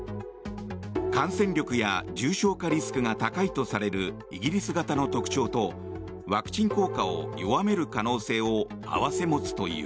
感染力や重症化リスクが高いとされるイギリス型の特徴とワクチン効果を弱める可能性を併せ持つという。